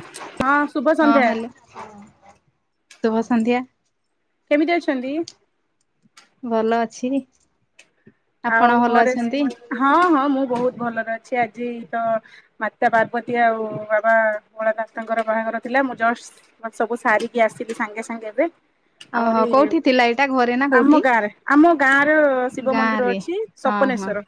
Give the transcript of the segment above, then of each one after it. ହଁ, ଶୁଭ ସନ୍ଧ୍ୟା। ଶୁଭସନ୍ଧ୍ୟା। କେମିତି ଅଛନ୍ତି? ଭଲ ଅଛି। ଆଉ ଆପଣ ଭଲ ଘରେ ଅଛନ୍ତି ହଁ ହଁ ମୁଁ ବହୁତ ଭଲରେ ଅଛି। ଆଜି ତ ମାତା ପାର୍ବତୀ ଆଉ ବାବା ଭୋଳାନାଥଙ୍କର ବାହାଘର ଥିଲା। ମୁଁ ଜଷ୍ଟ ସବୁ ସାରିକି ଆସିଲି ସାଙ୍ଗେ ସାଙ୍ଗେ ଏବେ। ଓହୋ ଆହୁରି, କୋଉଠି ଥିଲା ଏଇଟା ଘରେ ନା ଆମ କୋଉଠି? ଗାଁରେ ଆମ ଗାଁର ଶିବ ଗାଁ ମନ୍ଦିର ରେ ଅଛି। ହଁ ହଁ ସପନେଶ୍ଵର,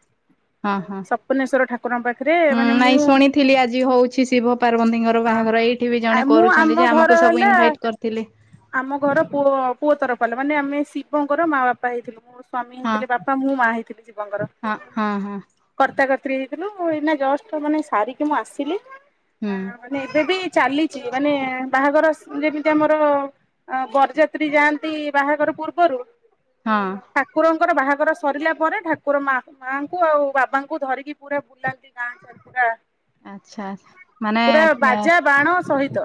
ହଁ ହଁ। ସପନେଶ୍ଵର ଠାକୁରଙ୍କ ପା ହୁଁ ନାଇଁ ଶୁଣିଥିଲି ଆଜି ହଉଛି ଶିବ ପାର୍ବନ୍ତିଙ୍କର ହଁ ବାହାଘର ଏଇଠି ବି ଜଣେ ମୁଁ ଆମ କରୁଛନ୍ତି ଯେ ଘର ଆମକୁ ସବୁ ହେଲା ଇନଭାଇଟ୍ କରିଥିଲେ। ଆମ ଘର ପୁଅ ପୁଅ ତରଫ୍ ବାଲା ମାନେ ଆମେ ଶିବଙ୍କର ମା ବାପା ହେଇଥିଲୁ ମୋ ସ୍ଵାମୀ ହଁ ଥିଲେ ବାପା ମୁଁ ମା ହେଇଥିଲି ଶିବଙ୍କର। ହଁ ହଁ ହଁ କର୍ତ୍ତା କତ୍ରୀ ହେଇଥିଲୁ ଏଇନା ଜଷ୍ଟ ମାନେ ସାରିକି ମୁଁ ଆସିଲି। ହୁଁ ନାଇଁ ଏବେ ବି ଚାଲିଚି ମାନେ ବାହାଘର ସ୍ ଯେମିତି ଆମର ଆଁ ବରଯାତ୍ରୀ ଯାଆନ୍ତି ବାହାଘର ପୂର୍ବରୁ। ହଁ। ଠାକୁରଙ୍କର ବାହାଘର ସରିଲା ପରେ ଠାକୁର ମାଆ ମାଆଙ୍କୁ ଆଉ ବାବାଙ୍କୁ ଧରିକି ପୁରା ବୁଲାନ୍ତି। ସେ ଗାଁ ଚାତ୍ରା। ଆଚ୍ଛା ଆଚ୍ଛା। ପୁରା ବାଜା ବାଣ ସହିତ।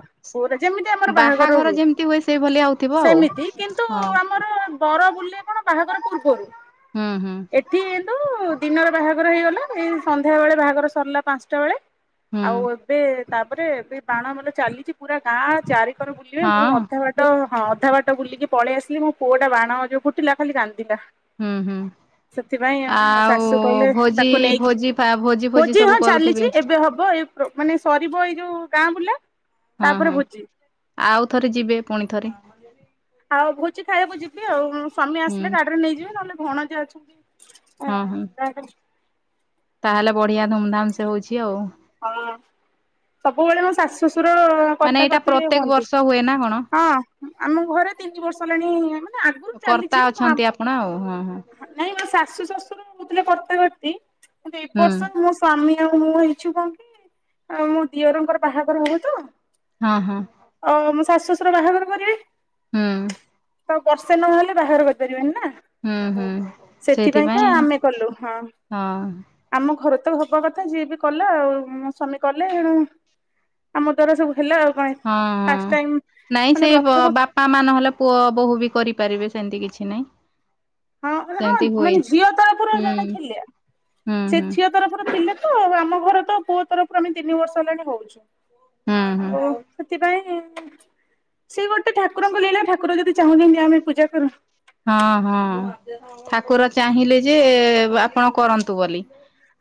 ଯେମିତି ଆମର ବାହାଘର ହୁଏ ଯେମିତି ସେଇଭଳିଆ ହଉଥିବ ଆଉ। ସେମିତି କିନ୍ତୁ ହଁ ଆମର ବର ବୁଲେ କଣ ବାହାଘର ପୂର୍ବରୁ? ହୁଁ ହୁଁ। ଏଠି ଇନ୍ତୁ ଦିନରେ ବାହାଘର ହେଇଗଲା ଏଇ ସନ୍ଧ୍ୟା ବେଳେ ବାହାଘର ସରିଲା ପାନ୍ସଟା ବେଳେ। ହୁଁ ଆଉ ଏବେ ତାପରେ ଏବେ ବାଣ ମେଲ ଚାଲିଚି ପୁରା ଗାଁ ଚାରି କର ବୁଲିବେ ମୁଁ ହଁ ଅଧା ବାଟ୍ ତ ହଁ ଅଧା ବାଟ ବୁଲିକି ପଳି ଆସିଲି ମୋ ପୁଅ ଟା ବାଣ ଯୋଉ ଫୁଟିଲା ଖାଲି କାନ୍ଦିଲା। ହୁଁ ହୁଁ। ସେଥିପାଇଁ ମୋ ଆଉ ଶାଶୁ କହିଲେ ଭୋଜି ତାକୁ ନେଇକି ଭୋଜି ଫା ଭୋଜି ଫୋଜି ହଁ ସବୁ ଚାଲିଛି କରୁଥୁବେ। ଏବେ ହବ ଏ ମାନେ ସରିବ ଏଇ ଯୋଉ ଗାଁ ବୁଲା। ହୁଁ ତାପରେ ହୁଁ ଭୋଜି ଆଉ ଥରେ ଯିବେ ପୁଣି ଥରେ। ଆଉ ଭୋଜି ଖାଇବାକୁ ଯିବି ଆଉ ମୋ ସ୍ୱାମୀ ହୁଁ ଆସିଲେ ଗାଡିରେ ନେଇଯିବି ନହେଲେ ଭଣଜା ଅଛନ୍ତି। ହଁ ହୁଁ। ତାହେଲେ ବଢିଆ ଧୁମ୍ ଧାମ୍ ସେ ହୋଉଛି ଆଉ। ହଁ ସବୁବେଳେ ମୁଁ ଶାଶୁ ଶ୍ୱଶୁର କର୍ତ୍ତା କର୍ତ୍ତୀ ହୋ ପ୍ରତ୍ୟକ ବର୍ଷ ହୁଏ ନା କଣ? ହଁ ଆମ ଘରେ ତିନି ବର୍ଷ ହେଲାଣି ମାନେ ଆଗୁରୁ ଚାଲିଛି କିନ୍ତୁ ଆମ ଆଉଁ ହଁ ହଁ। ନାଇଁ ମୋ ଶାଶୁ ଶ୍ୱଶୁର ହୋଉଥିଲେ କର୍ତ୍ତା କର୍ତ୍ତୀ କିନ୍ତୁ ଏ ହୁଁ ବର୍ଷ ମୋ ସ୍ଵାମୀ ଆଉ ମୁଁ ହେ ହେଇଛୁ କଁ କି ଆଉ ମୋ ଦିଅରଙ୍କର ବାହାଘର ହବ ତ। ହଁ ହଁ। ଅ ମୋ ଶାଶୁ ଶ୍ୱଶୁର ବାହାଘର କରିବେ। ହୁଁ। ତ ଆଉ ବର୍ଷେ ନହେଲେ ବାହାର କରିପାରିବେନି ନା। ହୁଁ ହୁଁ। ସେଇଥିପାଇଁ ସେଥିପାଇଁକା ଆମେ କଲୁ ହଁ। ଆମ ଘରେ ତ ହବା କଥା ଯିଏ ବି କଲା ଆଉ ମୋ ସ୍ୱାମୀ କଲେ ଏଣୁ ଆମ ଦ୍ଵାରା ସବୁ ହେଲା ଆଉ ପାଇଁ ହଁ ଫାଷ୍ଟ ଟାଇମ୍ ମାନେ ପ୍ରଥମ ଥ ମାମା ନହେଲେ ପୁଅ ବୋହୁ ବି କରିପାରିବେ ସେମ୍ତି କିଛି ନାଇଁ। ହଁ ମାନେ ସେମିତି ହବନି ହୁଏ ମାନେ ଝିଅ ତରଫରୁ ହୁଁ ଜଣେ ଥିଲେ ହୁଁ ସେ ହୁଁ ଝିଅ ତରଫରୁ ଥିଲେ ତ ଆମ ଘର ତ ପୁଅ ତରଫରୁ ଆମେ ତିନି ବର୍ଷ ହେଲାଣି ହୋଉଛୁ। ହୁଁ ହୁଁ। ଆଉ ସେଥିପାଇଁ ସିଏ ଗୋଟେ ଠାକୁରଙ୍କ ଲୀଳା ଠାକୁର ଯଦି ଚାହୁଁଚନ୍ତି ଆମେ ପୂଜା କରୁ। ହଁ ହଁ ଠାକୁର ଚାହିଁଲେ ଯେ ଆପଣ କରନ୍ତୁ ବୋଲି।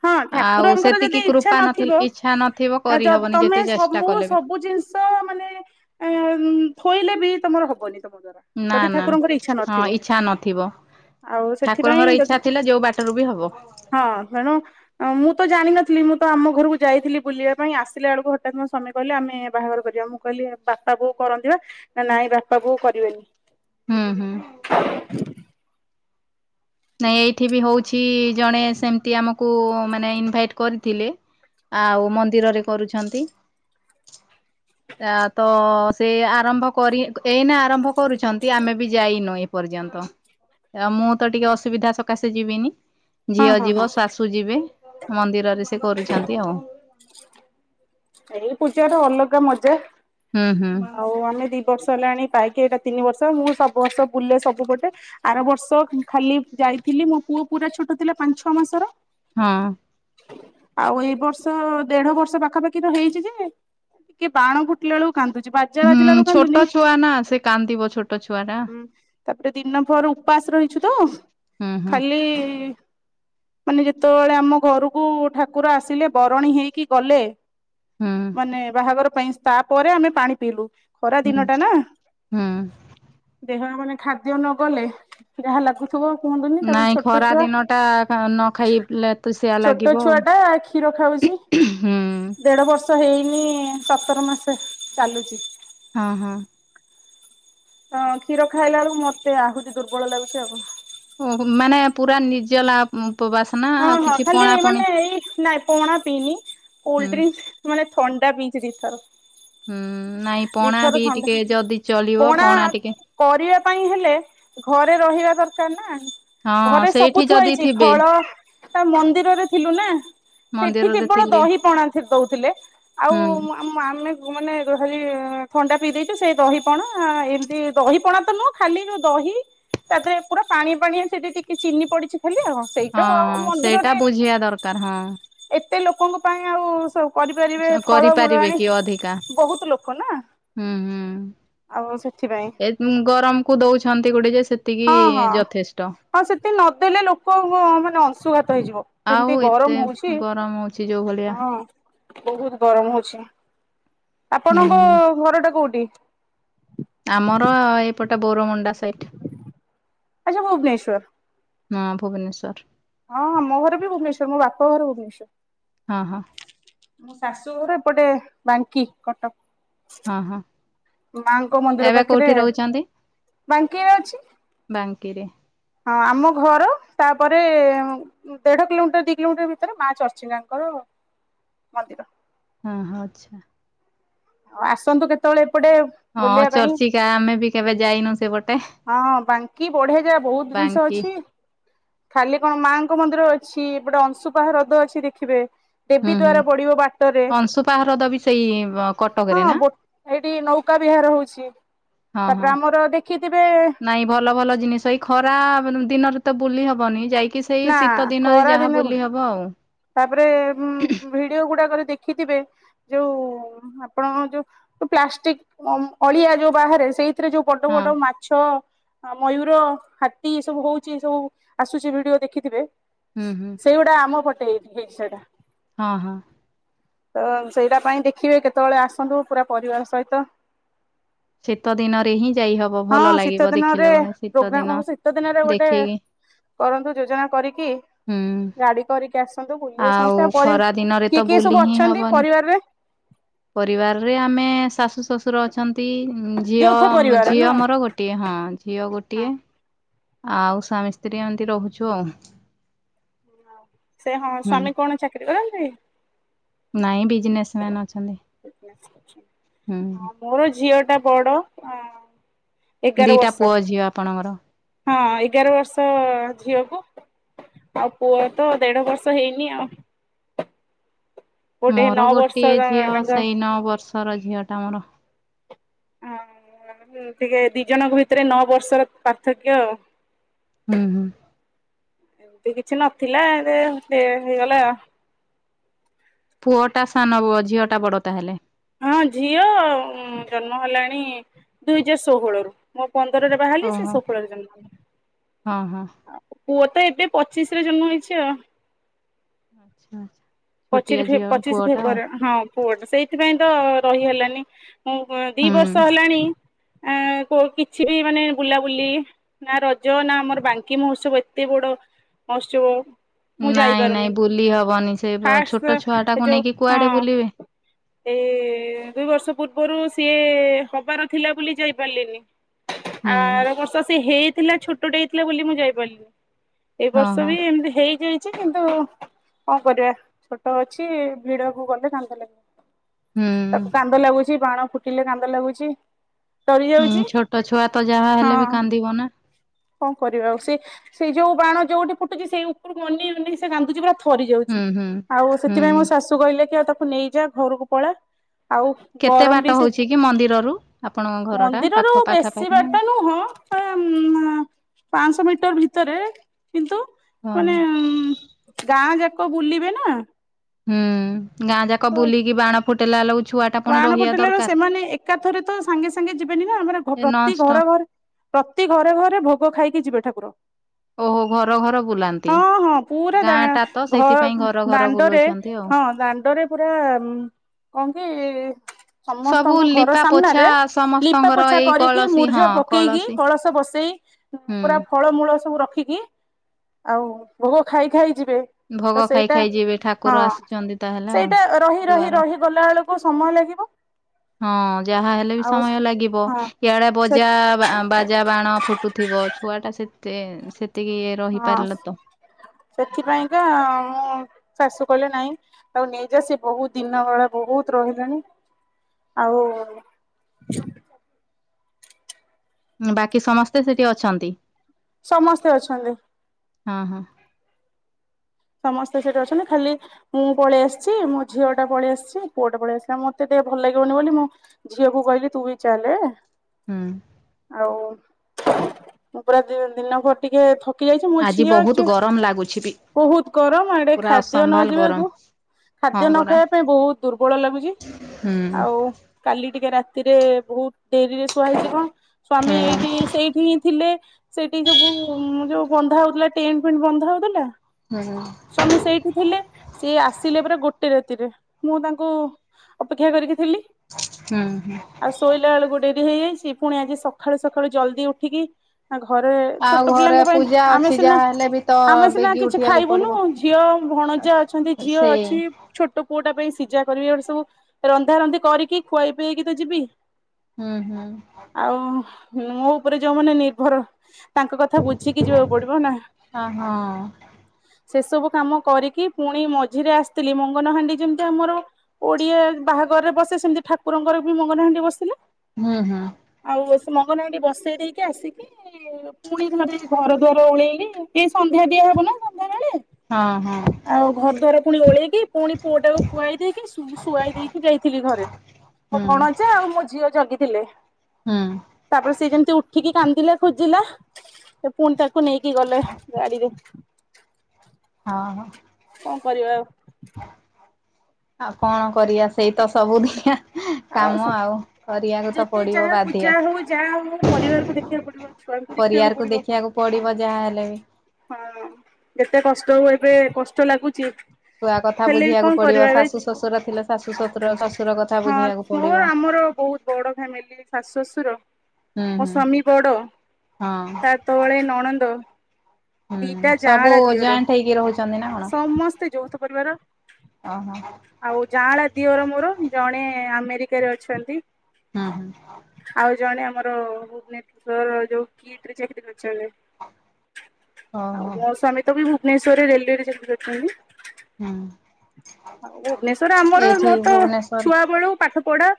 ହଁ ଆଉ ଠାକୁରଙ୍କର ଯଦି ସେତିକି ଇଚ୍ଛା କୃପା ନଥିବ ନଥି ଇଛା ନଥିବ କରିହବନି ତମେ ଯେତେ ଚେଷ୍ଟା ମୁଁ କଲେ ବି। ସବୁ ଜିନିଷ ମାନେ ଏଁ ଥୋଇଲେ ବି ତମର ହବନି ତମ ଦ୍ଵାରା। ନା ଯଦି ନା ଠାକୁରଙ୍କର ଇଚ୍ଛା ହଁ ନଥିବ ଇଚ୍ଛା ନଥିବ। ଆଉ ସେଥିପାଇଁ ଠାକୁରଙ୍କର ଯଦି ଇଚ୍ଛା ଥିଲା ଯୋଉ ବାଟରୁ ବି ହବ। ହଁ ତେଣୁ ମୁଁ ତ ଜାଣିନଥିଲି ମୁଁ ତ ଆମ ଘରକୁ ଯାଇଥିଲି। ବୁଲିବା ପାଇଁ ଆସିଲା ଳକୁ ହଠାତ୍ ମୋ ସ୍ୱାମି କହିଲେ ଆମେ ବାହାଘର କରିବା ମୁଁ କହିଲି ବାପା ବୋଉ କରନ୍ତି ବା। ନା ନାଇଁ ବାପା ବୋଉ କରିବେନି। ହୁଁ ହୁଁ। [inaudible] ନାଇଁ ଏଇଠି ବି ହଉଛି ଜଣେ ସେମିତି ଆମକୁ ମାନେ ଇନଭାଇଟ କରିଥିଲେ। ଆଉ ମନ୍ଦିରରେ କରୁଛନ୍ତି। [inaudible] ଆ ତ ସେ ଆରମ୍ଭ କରି ଏଇନା ଆରମ୍ଭ କରୁଛନ୍ତି ଆମେ ବି ଯାଇନୁ ଏ ପର୍ଯ୍ୟନ୍ତ ଆଉ ମୁଁ ତ ଟିକେ ଅ ଅସୁବିଧା ସକାଶେ ଯିବିନି ହଁ ଝିଅ ହଁ ହଁ ଯିବ ଶାଶୁ ଯିବେ ମନ୍ଦିରରେ ସେ କରୁଚନ୍ତି ଆଉ। ଏଇ ପୂଜାର ଅଲଗା ମଜା। ହୁଁ ହୁଁ। ଆଉ ଆମେ ଦୁଇ ବର୍ଷ ହେଲାଣି ପାଇକି ଏଇଟା ତିନି ବର୍ଷ ମୁଁ ସବୁ ବର୍ଷ ବୁଲେ ସବୁପଟେ। ଆର ବର୍ଷ ଖାଲି ଯାଇଥିଲି ମୋ ପୁଅ ପୁରା ଛୋଟ ଥିଲା ପାଞ୍ଚ ଛଅ ମାସର ହଁ। ଆଉ ଏଇ ବର୍ଷ ଦେଢ ବର୍ଷ ପାଖାପାଖି ତ ହେଇଛି ଯେ ଟିକେ ବାଣ ଫୁଟିଲା ବେଳକୁ କାନ୍ଦୁଛି ବା ଜା ହୁଁ ବାଜିଲାଳକୁ ଛୋଟ କାନ୍ଦୁନି ଛୁଆ ନା ସେ କାନ୍ଦିବ ଛୋଟ ଛୁଆ ଟା ହୁଁ ତାପରେ ଦିନ ପରୁ ଉପାସ ରହିଛୁ ତ ହୁଁ ହୁଁ। ଖାଲି ମାନେ ଯେତେବେଳେ ଆମ ଘରକୁ ଠାକୁର ଆସିଲେ ବରଣୀ ହେଇକି ଗଲେ ହୁଁ ମାନେ ବାହାଘର ପାଇଁ ତାପରେ ଆମେ ପାଣି ପିଇଲୁ। ଖରା ହୁଁ ଦିନ ଟା ନା ହୁଁ ଦେହ ମାନେ ଖାଦ୍ୟ ନ କଲେ ଯାହା ଲାଗୁ କୁହ କୁହନ୍ତୁନି ତାପରେ ନାଇଁ ଛୋଟ ଖରା ଛୁଆ ଦିନ ଟା ନ ଛୁଆ ଖାଇଲେ ତୃଷିଆ ଛୋଟ ଲାଗିବ ଆଉ ଛୁଆଟା କ୍ଷୀର ଖାଉଛି। ହୁଁ ଦେଢ ବର୍ଷ ହେଇନି ସତର ମାସ ଚାଲୁଛି। ହଁ ହଁ। ହଁ କ୍ଷୀର ଖାଇଲା ବେଳକୁ ମତେ ଆହୁଛି ଦୁର୍ବଳ ଲାଗୁଛି ଆଉ। ଓହ ମାନେ ପୁରା ନିଜ ଲାଭ ଉଁ ଉପବାସ ନା ହଁ ହଁ କିଛି ଖାଲି ପଣା ପଣି ମାନେ ଏଇ ନାଇଁ ପଣା ପିଇନି ହୁଁ କୋଲଡ୍ରିଙ୍କସ୍‌ ମାନେ ଥଣ୍ଡା ପିଚି ଦି ଥର। ହୁଁ ନାଇଁ ପଣା ପି ଥଣ୍ଡା ଟିକେ ଯଦି ଚଳିବ ପଣା ଟିକେ କରିବା ପାଇଁ ହେଲେ ଘରେ ରହିବା ଦରକାର ନା। ହଁ ଘରେ ସବୁ ସେଇଠି ଥୁଆ ଯଦି ହେଇଛି ଥିବେ ଫଳ ତା ମନ୍ଦିରରେ ଥିଲୁ ନା। ସେଠି ମନ୍ଦିରରେ କେବଳ ଥିଲେ ଦହି ପଣା ସେଠି ଦଉଥିଲେ ଆଉ ହୁଁ ଆଉ ଆମେ ମାନେ ହେଲି ଥଣ୍ଡା ପିଇ ଦେଇଛୁ ସେଇ ଦହିପଣା ଏମିତି ଦହିପଣା ତ ନୁହଁ ଖାଲି ର ଦହି ତାପହରେ ପୁରା ପାଣିଆ ପାଣିଆ ସେଠି ଟିକେ ଚିନି ପଡିଛି ଖାଲି ଆଉ। ସେଇଟା ଆଉ ହଁ ସେଇଟା ମନ୍ଦିରରେ ବୁଝିବା ଦରକାର ହଁ। ଏତେ ଲୋକଙ୍କ ପାଇଁ ଆଉ ସବୁ କରିପାରିବେ ଫଳମୂଳ କରିପାରିବେ ଆଣି କି ଅଧିକା। ବହୁତ ଲୋକ ନା। ହୁଁ ହୁଁ। ଆଉ ସେଥିପାଇଁ। ହୁଁ ଗରମ କୁ ଦଉଛନ୍ତି ଗୋଟେ ଯେ ସେତିକି ହଁ ହଁ। ଯଥେଷ୍ଟ। ହଁ ସେଠି ନଦେଲେ ଲୋକ ମାନେ ଅଂଶୁଘାତ ହେଇଯିବ ଯେମିତି ଗରମ ହଉଛି। ଅଛି ଯୋଉ ଭଳିଆ। ହଁ ବହୁତ ଗରମ ହଉଛି, ହୁଁ ଆପଣଙ୍କ ହୁଁ ଘର ଟା କୋଉଠି? ଆମର ଏପଟେ ବୋରମୁଣ୍ଡା ସାଇଟା। ଆଚ୍ଛା ଭୁବନେଶ୍ୱର। ହଁ ଭୁବନେଶ୍ଵର। ହଁ ହଁ ମୋ ଘରେ ବି ଭୁବନେଶ୍ୱର ମୋ ବାପା ଘର ଭୁବେଶ୍ୱର। ହଁ ହଁ। ମୋ ଶାଶୁ ଘର ଏପଟେ ବାଙ୍କି କଟକ। ହଁ ହଁ ମାଙ୍କ ମନ୍ଦିର ଏବେ ପାଖରେ କୋଉଠି ରହୁଛନ୍ତି? ବାଙ୍କିରେ ଅଛି। ବାଙ୍କି ରେ ହଁ ଆମ ଘର ତାପରେ ଦେଢ଼ କିଲୋମିଟର ଦୁଇ କିଲୋମିଟର ଭିତରେ ମା ଚର୍ଚ୍ଚିଲାଙ୍କର ମନ୍ଦିର। ହଁ ହଁ ଆଚ୍ଛା। ଆଉ ଆସନ୍ତୁ କେତେବେଳେ ଏପଟେ ହଁ ବୁଲିବା ପାଇଁ ଚର୍ଚିକା ଆମେ ବି କେବେ ଯାଇନୁ ସେପଟେ। ହଁ ହଁ ବାଙ୍କି ବଢିଆ ଯାଗା ବହୁତ ଜିନିଷ ବାଙ୍କି ଅଛି। ଖାଲି କଣ ମାଆଙ୍କ ମନ୍ଦିର ଅଛି ଏପଟେ ଅଂଶୁପାହା ହ୍ରଦ ଅଛି ଦେଖିବେ। ଦେବୀ ହୁଁ ହୁଁ। ଦ୍ଵାରା ପଡିବ ବାଟରେ ଅଂଶୁପା ହ୍ରଦ ବି ସେଇ କଟକରେ ହଁ ନା ଗୋ ଏଇଠି ନୌକା ବିହାର ହଉଛି ହଁ ହଁ। ତାପରେ ଆମର ଦେ ଖି ଥିବେ ନାଇଁ ଭଲ ଭଲ ଜିନିଷ ଏଇ ଖରା ଦିନରେ ତ ବୁଲି ହବନି ଯାଇକି ସେଇ ନା ଶୀତ ଦିନରେ ଖରା ଯାହା ଦିନେ ବୁଲି ହବ ଆଉ। ତାପରେ ଉଁ ଭିଡିଓ ଗୁଡାକରେ ଦେଖିଥିବେ ଯୋଉ ଆପଣଙ୍କ ଯୋଉ ପ୍ଲାଷ୍ଟିକ ଅମ୍ ଅଳିଆ ଯୋଉ ବାହାରେ ସେଇଥିରେ ଯୋଉ ବଡ଼ ହଁ ବଡ଼ ମା ଛ ମୟୂର, ହାତୀ ଏ ସବୁ ହଉଛି ସବୁ ଆସୁଛି ଭିଡିଓ ଦେଖିଥିବେ। ହୁଁ ହୁଁ ସେଇଗୁଡା ଆମ ପଟେ ଠିକ୍ ହେଇ ସେଇଟା। ହଁ ହଁ। ତ ସେଇଟା ପାଇଁ ଦେଖିବେ କେତେବେଳେ ଆସନ୍ତୁ ପୁରା ପରିବାର ସହିତ। ଶୀତ ଦିନରେ ହିଁ ଯାଇ ହବ ଭଲ ହଁ ଶୀତ ଲାଗିବ ଦିନରେ ଦେଖିଲା ବେଳେ ଶୀତ ଦିନ ପ୍ରୋଗ୍ରାମ ହ ଶୀତ ଦିନରେ ଗୋଟେ ଦେଖିକି କରନ୍ତୁ ଯୋଜନା କରିକି ହୁଁ ଗାଡି କରିକି କି ଆସନ୍ତୁ ବୁ ଆଉ ଖରା ଦିନରେ ତ ବୁଲି ହିଁ ଅଛନ୍ତି ହବନି। ପରିବାରରେ ପରିବାରରେ ଆମେ ଶାଶୁ ଶ୍ୱଶୁର ଅଛନ୍ତି ଉଁ ଝିଅ ଯୌଥ ପରିବାର ଝିଅ ନୁହଁ ମୋର ଗୋ ଟିଏ ହଁ ଝିଅ ଗୋଟିଏ ହଁ। ଆଉ ସ୍ୱାମୀ ସ୍ତ୍ରୀ ଏମିତି ରହୁଛୁ ଆଉ। ସେ ହଁ ହୁଁ ସ୍ଵାମୀ କଣ ଚାକିରି କରନ୍ତି? ନାଇଁ ବିଜନେସ୍। ହୁଁ ହଁ ମୋର ଝିଅ ଟା ବଡ ଆଁ ଦିଟା ପୁଅ ଝିଅ ଆପଣଙ୍କର। ହଁ ଏଗାର ବର୍ଷ ଝିଅକୁ। ଆଉ ପୁଅ ତ ଦେଢ ବର୍ଷ ହେଇନି ଆଉ। ଗୋଟେ ମୋର ନଅ ବର୍ଷ ଗୋଟିଏ ଝିଅ। ତାଙ୍କ ସେଇ ନଅ ବର୍ଷର ଝିଅ ଟା ମୋର। ହଁ ଟିକେ ଦି ଜଣଙ୍କ ଭିତରେ ନଅ ବର୍ଷର ପାର୍ଥକ୍ୟ ଆଉ। ହୁଁ ହୁଁ। ଏମିତି କିଛି ନଥିଲା ଏବେ ହେଇଆ ହେଇଗଲା ଆଉ। ପୁଅ ଟା ସାନ ଝିଅ ଟା ବଡ ତାହେଲେ। ହଁ ଝିଅ ଜନ୍ମ ହେଲାଣି ଦୁଇ ହଜାର ଷୋହଳ ରୁ। ମୁଁ ପନ୍ଦରରେ ବାହାହେଲି ସେ ଓହୋ ଷୋହଳରେ ଜନ୍ମ ହଁ ହଁ ହେଲା। ପୁଅ ତ ଏବେ ପଚିଶ ରେ ଜନ୍ମ ହେଇଛି ଆଉ। ଆଚ୍ଛା ଆଚ୍ଛା। ଛୋଟିଆ ପଚିର ଫେବ ଝିଅ ପଚିଶ ପୁଅଟା ଆଉ ଫେବୃଆରୀ ହଁ। ପୁଅଟେ। ସେଇଥିପାଇଁ ତ ରହି ହେଲାନି ମୁଁ ଦି ହୁଁ ବର୍ଷ ହେଲାଣି ଆଁ କୋ କିଛି ବି ମାନେ ବୁଲାବୁଲି ନା ରଜ ନା ଆମର ବାଙ୍କି ମହୋତ୍ସବ ଏତେ ବଡ ମହୋତ୍ସବ। ମୁଁ ନାଇଁ ନାଇଁ ଯାଇପାରୁନି ବୁଲି ହବନି ସେ ବ ଫାଷ୍ଟ ଛୋଟ ଛୁଆ ଟାକୁ ନେଇକି କୁଆଡେ ବୁଲିବେ। ଏଇ ଦୁଇ ବର୍ଷ ପୂର୍ବରୁ ସିଏ ହବାର ଥିଲା ବୋଲି ଯାଇପାରିଲିନି। ହୁଁ ଆରବର୍ଷ ସେ ହେଇଥିଲା ଛୋଟଟେ ହେଇଥିଲା ବୋଲି ମୁଁ ଯାଇପାରିଲିନି। ଏଇ ହଁ ବର୍ଷ ହଁ ବି ଏମିତି ହେଇଯାଇଛି, କିନ୍ତୁ କଣ କରିବା। ଛୋଟ ଅଛି ଭିଡକୁ ଗଲେ କାନ୍ଦ ହୁଁ ଲାଗିବ। ତାକୁ କା ଲାଗୁଛି ବାଣ ଫୁଟିଲେ କାନ୍ଦ ଲାଗୁଚି। ହୁଁ, ଛୋଟ ଛୁଆ ତ ଯାହା ହେଲେ ବି ହଁ କାନ୍ଦିବ ନା। କଣ କରିବା ଆଉ? ସେ ସେଇ ଯୋଉ ବାଣ ଯୋଉଠି ଫୁଟୁଛି ସେଇ ଉପରୁକୁ ଅନେଇ ଅନେଇ ସେ କାନ୍ଦୁଛି ପୁରା ଥରି ହୁଁ ଯାଉଛି। ହୁଁ ଆଉ ସେଥିପାଇଁ ହୁଁ ମୋ ଶାଶୁ କହିଲେ କି ଆଉ ତାକୁ ନେଇଯା ଘରକୁ ପଳା ଆଉ କେତେ ଗରମ ବାଟ ବି ସେ, ହଉଛି କି ମନ୍ଦିରରୁ ଆପଣଙ୍କ ଘର ଟା ମନ୍ଦିରରୁ ପାଖ ବେଶୀ ପାଖାପାଖି ନା ବାଟ ନୁହଁ। ପାଞ୍ଚଶହ ମିଟର ଭିତରେ। କିନ୍ତୁ ମାନେ ହଁ ଗାଁ ଯାକ ବୁଲିବେ ନା। ହୁଁ ଗାଁ ଯାକ ତ ବୁଲିକି ବାଣ ଫୁଟେଇଲା ବେଳକୁ ଛୁଆ ଟା ପୁଣି ବାଣ ରହିବା ଫୁଟେଇଲା ବେଳକୁ ଦରକାର। ସେମାନେ ଏକାଥରେ ତ ସାଙ୍ଗେ ସାଙ୍ଗେ ଯିବେନି ନା ଆମର ଏ ପ୍ରତି ନନଷ୍ଟପ ଘର ଘର ପ୍ରତି ଘରେ ଘରେ ଭୋଗ ଖାଇକି ଯିବେ ଠାକୁର। ଓହୋ ଘର ଘର ବୁଲାନ୍ତି। ହଁ ହଁ ପୁରା ଦା ଗାଁ ଟା ତ ଘ ସେଇଥିପାଇଁ ଘର ଘର ଦାଣ୍ଡରେ ବୁଲଉଛନ୍ତି ଆଉ। ହଁ ଦାଣ୍ଡରେ ପୁରା କଣ କି ସବୁ ସମସ୍ତଙ୍କ ଘର ଲିପା ପୋଛା ସାମ୍ନାରେ ଲିପା ସମସ୍ତଙ୍କର ପୋଛା ଏଇ କରିକି କଳସୀ ହଁ ମୂର୍ଜ ପକେଇକି କଳସୀ କଳସ ବସେଇ ହୁଁ। ପୁରା ଫଳମୂଳ ସବୁ ରଖିକି ଆଉ ଭୋଗ ଖାଇ ଖାଇ ଯିବେ। ଭୋଗ ତ ଖାଇ ସେଇଟା ଖାଇ ଯିବେ ଠାକୁର ହଁ, ଆସୁଛନ୍ତି ତାହେଲେ ଆଉ ସେଇଟା ରହି ରହି ଦୁଆର। ରହି ଗଲା ବେଳକୁ ସମୟ ଲାଗିବ। ହଁ ଯାହା ହେଲେ ବି ଆଉ ସମୟ ଲାଗିବ। ହଁ ଇଆଡେ ସେ ବଜା ବାଜା ବାଣ ଫୁଟୁଥିବ ଛୁଆ ଟା ସେତେ ସେତିକି ଇଏ ହଁ, ସେଥିପାଇଁକା ମୋ ଶାଶୁ କହିଲେ ନାଇଁ। ତାକୁ ନେଇଯା ସିଏ ବହୁତ ଦିନ ବେଳେ ବହୁତ ରହିଲାଣି ଆଉ ବାକି ସମସ୍ତେ ସେଠି ଅଛନ୍ତି। ସମସ୍ତେ ଅଛନ୍ତି। ହଁ ହଁ। ସମସ୍ତେ ସେଠି ଅଛନ୍ତି ଖାଲି ମୁଁ ପଳେଇ ଆସିଛି, ମୋ ଝିଅ ଟା ପଳେଇ ଆସିଛି, ପୁଅ ଟା ପଳେଇ ଆସିଲା। ମତେ ଟିକେ ଭଲ ଲାଗିବନି ବୋଲି ମୁଁ ଝିଅକୁ କହିଲି ତୁ ବି ଚାଲେ ହଁ। ଆଉ ମୁଁ ପୁରା ଦିନ ଘର ଟିକେ ଥକି ଯାଇଛି ମୋ ଝିଅ ଅଛି କମ୍ ଲାଗୁଛି ବି ବହୁତ ଗରମ ଆଡ଼େ ପୁରା ଖାଦ୍ୟ ନ ଅସମ୍ଭାଲ ଗରମ ଯିବାକୁ ଖାଦ୍ୟ ହଁ ନ ପରା ଖାଇବା ପାଇଁ ବହୁତ ଦୁର୍ବଳ ଲାଗୁଛି ହୁଁ। ଆଉ କାଲି ଟିକେ ରାତିରେ ବହୁତ ଡେରିରେ ଶୁଆ ହେଇଯିବ ହୁଁ ସ୍ଵାମୀ ଏଇଠି ସେଇଠି ହିଁ ଥିଲେ। ସେଠି ସବୁ ଯୋଉ ବନ୍ଧା ହଉଥିଲା ଟେଣ୍ଟ ଫେଣ୍ଟ ବନ୍ଧା ହଉଥିଲା। ହୁଁ। ସ୍ଵାମୀ ସେଇଠି ଥିଲେ ସିଏ ଆସିଲେ ପୁରା ଗୋଟେ ରାତିରେ ମୁଁ ତାଙ୍କୁ ଅପେକ୍ଷା କରିକି ଥିଲି ହୁଁ ହୁଁ ଆଉ ଶୋଇଲା ବେଳକୁ ଡେରି ହେଇଯାଇଛି ପୁଣି ଆଜି ସକାଳୁ ସକାଳୁ ଜଲଦି ଉଠିକି ଆ ଘରେ ଆଉ ଛୋଟ ଘରେ ପିଲାଙ୍କ ପାଇଁ ପୂଜା ଆମେ ଅଛି ସିନା ଯାହା ହେଲେ ବି ତ ଆମେ ସିନା ବେଗି କିଛି ଉଠିବାକୁ ଖାଇବୁନୁ ପଡିବ। ଝିଅ ଭଣଜା ଅଛନ୍ତି ଝିଅ ସେ ଅଛି ଛୋଟ ପୁଅ ଟା ପାଇଁ ସିଝା କରିବି ଇଆଡେ ସବୁ ରନ୍ଧା ରନ୍ଧି କରିକି ଖୁଆଇ ପିଇକି ତ ଯିବି। ହୁଁ ହୁଁ ଆଉ ମୋ ଉପରେ ଯୋଉ ମାନେ ନିର୍ଭର ତାଙ୍କ କଥା ବୁଝିକି ଯିବାକୁ ପଡ଼ିବ ନା ହଁ ହଁ। ସେ ସବୁ କାମ କରିକି ପୁଣି ମଝିରେ ଆସିଥିଲି ମଙ୍ଗନହାଣ୍ଡି ଯେମିତି ଆମର ଓଡିଆ ବାହାଘରରେ ବସେ ସେମିତି ଠାକୁରଙ୍କର ବି ମଙ୍ଗନହାଣ୍ଡି ବସଥିଲା। ହୁଁ ହୁଁ। ଆଉ ସେ ମଙ୍ଗନ ହାଣ୍ଡି ବସେଇ ଦେଇକି ଆସିକି ପୁଣି ଥରେ ଘର ଦୁଆର ଉଳେଇଲିି ଏଇ ସନ୍ଧ୍ୟା ଦିଆ ହବ ନା ସନ୍ଧ୍ୟା ବେଳେ ହଁ ହଁ। ଆଉ ଘର ଦ୍ବାର ପୁଣି ଓଳେଇକି ପୁଣି ପୁଅଟାକୁ ଖୁଆଇ ଦେଇକି ଶୁଆଇ ଦେଇକି ଯାଇଥିଲି ଘରେ ହୁଁ ହୁଁ ମୋ ଭଣଜା ଆଉ ମୋ ଝିଅ ଜଗିଥିଲେ ହୁଁ। ତାପରେ ସେଯେମିତି ଉଠିକି କାନ୍ଦିଲା ଖୋଜିଲା ସେ ପୁଣି ତାକୁ ନେଇକି ଗଲେ ଗାଡିରେ ହଁ ହଁ। କଣ କରିବା ଆଉ। [inaudible] ଆଉ କଣ କରିବା ସେଇତ ସବୁ ଦି କାମ ଆଉ କରିବାକୁତ ଯେତେ ପଡ଼ିବ ଯାହା ବାଧ୍ୟ। ପୂଜା ହଉ ଯାହା ହଉ ପରିବାରକୁ ଦେଖିବାକୁ ପଡିବ ଛୁଆଙ୍କୁ ଦେଖିବାକୁ ପରିବାରକୁୁ ପଡିବ। ଦେଖିବାକୁ ପଡ଼ିବ ଯାହା ହେଲେବି ହଁ ଯେତେ କଷ୍ଟ ହୁ ଏବେ କଷ୍ଟ ଲାଗୁଛି ଛୁଆ କଥା ହେଲେ ବି ବୁଝିବାକୁ କଣ ପଡ଼ିବ କରିବା ଏବେ ଶାଶୁ ଶ୍ୱଶୁର ଥିଲେ ଶାଶୁ ଶ୍ୱଶୁର ଶ୍ୱଶୁର କଥା ହଁ ବୁଝିବାକୁ ମୋର ପଡ଼ିବ ଆମର ବହୁତ ବଡ଼ ଫ୍ୟାମିଲି ଶାଶୁ ଶଶୁର ହୁଁ ମୋ ହୁଁ ସ୍ୱାମୀ ବଡ଼ ହଁ ତା ତଳେ ନଣନ୍ଦ ଦିଟା ହୁଁ ସବୁ ଯାଆଁଳା ଦିଅର ଜଏଣ୍ଟ ହେଇକି ରହୁଚନ୍ତିନା କଣ? ସମସ୍ତେ ଯୌଥ ପରିବାର ଓହୋ ଆଉ ଯାଆଁଳା ଦିଅର ମୋର ଜଣେ ଆମେରିକାରେ ଅଛନ୍ତି। ହୁଁ ହୁଁ। ଆଉ ଜଣେ ଆମର ଭୁବନେଶର ଯୋଉ କିଟ୍ ରେ ଚାକିରି କରିଛନ୍ତି। ଆଉ ଓହୋ ମୋ ସ୍ୱାମୀ ତ ବି ଭୁବନେଶ୍ୱରରେ ରେଲୱେରେ ଚାକିରି କରିଛନ୍ତି। ହୁଁ। ଭୁବନେଶ୍ଵର ଆମର ଏଇଠି ମୋର ତ ଭୁବନେଶ୍ଵର ଛୁଆ ବଳୁ ପାଠ ପଢା